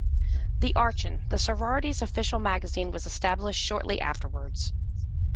The "Archon", the sorority's official magazine was established shortly afterwards.